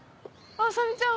麻美ちゃん